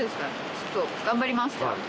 ちょっと頑張ります！